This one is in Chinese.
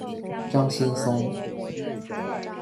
张先松。